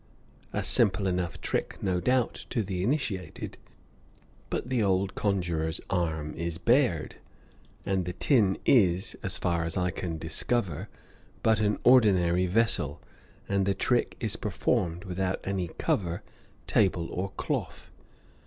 A simple enough trick, no doubt, to the initiated; but the old conjurer's arm is bared, and the tin is, as far as I can discover, but an ordinary vessel, and the trick is performed without any cover, table, or cloth.